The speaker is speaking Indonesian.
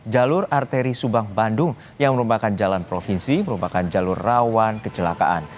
jalur arteri subang bandung yang merupakan jalan provinsi merupakan jalur rawan kecelakaan